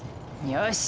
よし！